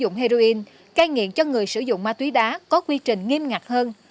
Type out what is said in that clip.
cái nghiện cho người sử dụng heroin cai nghiện cho người sử dụng ma túy đá có quy trình nghiêm ngặt hơn